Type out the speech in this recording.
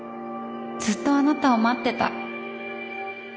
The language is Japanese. ずっとあなたを待ってた。